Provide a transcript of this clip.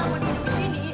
mau duduk di sini